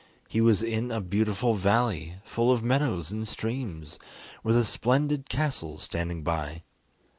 He was in a beautiful valley, full of meadows and streams, with a splendid castle standing by.